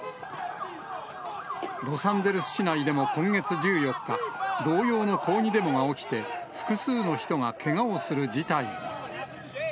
ロサンゼルス市内でも今月１４日、同様の抗議デモが起きて、複数の人がけがをする事態に。